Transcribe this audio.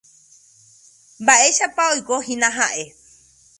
Mba'éichapa oikohína ha'e.